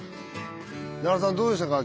奈良さんどうでしたか？